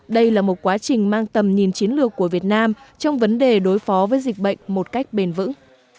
đây là một quá trình mang tầm nhìn chiến lược của việt nam trong vấn đề đối phó với dịch bệnh một cách bền vững